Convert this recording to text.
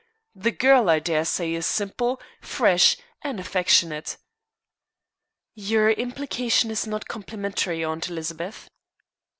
The girl, I dare say, is simple, fresh, and affectionate." "Your implication is not complimentary, Aunt Elizabeth."